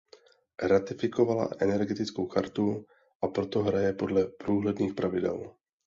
Ratifikovala Energetickou chartu, a proto hraje podle průhledných pravidel.